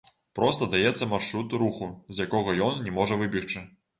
Проста даецца маршрут руху, з якога ён не можа выбегчы.